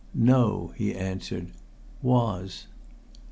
"No," he answered. "Was."